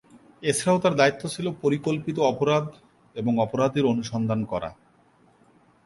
এছাড়াও তার দায়িত্ব ছিল পরিকল্পিত অপরাধ এবং অপরাধীর অনুসন্ধান করা।